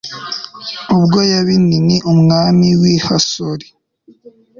ubwo yabini, umwami w'i hasori